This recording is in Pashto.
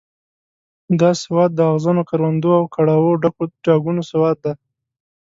دا سواد د اغزنو کروندو او کړاوه ډکو ډاګونو سواد دی.